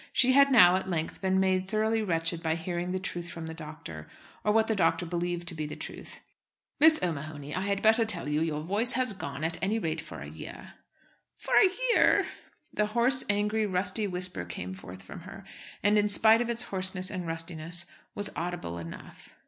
She had now, at length, been made thoroughly wretched by hearing the truth from the doctor, or what the doctor believed to be the truth. "Miss O'Mahony, I had better tell you, your voice has gone, at any rate for a year." "For a year!" The hoarse, angry, rusty whisper came forth from her, and in spite of its hoarseness and rustiness was audible enough.